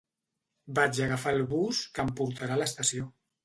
Vaig a agafar el bus que em portarà a l'estació